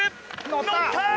乗った！